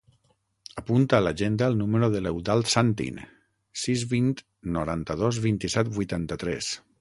Apunta a l'agenda el número de l'Eudald Santin: sis, vint, noranta-dos, vint-i-set, vuitanta-tres.